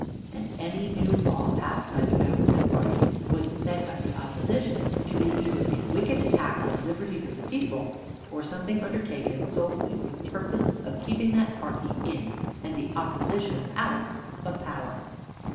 And any new law passed by the Government party was said by the Opposition to be either a wicked attack on the liberties of the people, or something undertaken solely for the purpose of keeping that party in, and the Opposition out, of power.